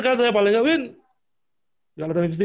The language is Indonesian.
kalau wibin gak suka dengan fisika